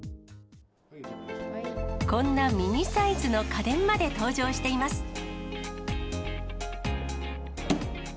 こんなミニサイズの家電まで登場しています。